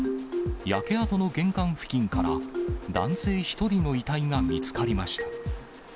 焼け跡の玄関付近から男性１人の遺体が見つかりました。